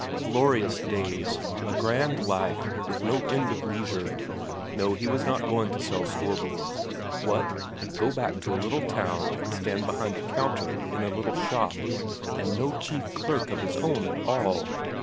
Glorious days a grand life, with no end of leisure. No, he was not going to sell Storborg. What, go back to a little town and stand behind the counter in a little shop, and no chief clerk of his own at all?